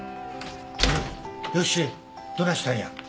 良恵どないしたんや？